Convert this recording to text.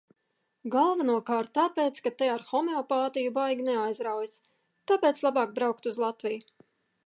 Galvenokārt tāpēc, ka te ar homeopātiju baigi neaizraujas, tāpēc labāk braukt uz Latviju.